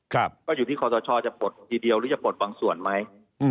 ก็อยู่ที่คอสชจะปลดทีเดียวหรือจะปลดบางส่วนไหม